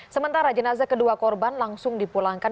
sementara jenazah kedua korban langsung dipulangkan